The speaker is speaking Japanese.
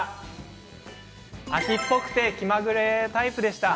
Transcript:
飽きっぽくて気まぐれタイプでした。